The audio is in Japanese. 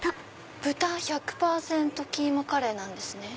豚１００％キーマカレーなんですね。